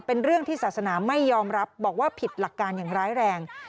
เป็นเรื่องที่ศาสนาไม่ยอมรับบอกว่าผิดหลักการอย่างร้ายแรง